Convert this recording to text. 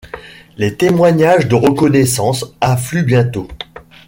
Les témoignages de reconnaissance affluent bientôt.